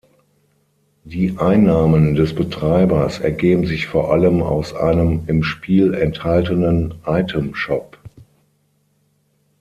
Die Einnahmen des Betreibers ergeben sich vor allem aus einem im Spiel enthaltenen "Item-Shop".